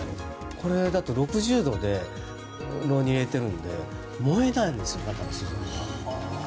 これだと６０度で炉に入れているので燃えないんです、中の素材が。